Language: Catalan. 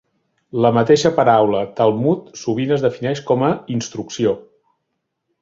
La mateixa paraula "Talmud" sovint es defineix com a "instrucció".